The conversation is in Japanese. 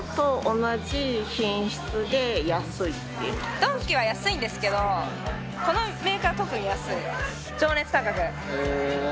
ドンキは安いんですけどこのメーカー特に安い。